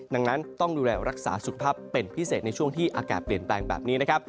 ดังนั้นต้องดูแลรักษาสุขภาพเป็นพิเศษในช่วงที่อากาศเปลี่ยนแปลงแบบนี้นะครับ